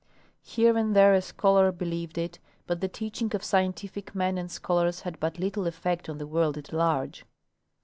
Here and there a scholar believed it, but the teachings of scientific men and scholars had but little effect on the world at large.